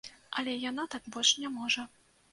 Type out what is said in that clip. Але яна так больш не можа.